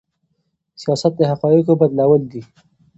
سياست د حقايقو بدلول دي.